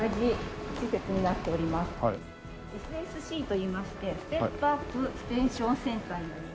ＳＳＣといいましてステップアップステーションセンターになります。